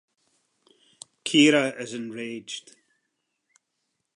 Kira is enraged.